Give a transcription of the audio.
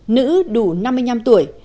nữ đủ năm mươi năm tuổi